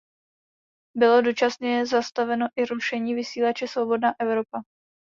Bylo dočasně zastaveno i rušení vysílače Svobodná Evropa.